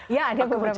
ya ada beberapa